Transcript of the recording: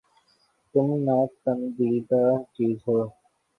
تم ناپندیدہ چیز ہے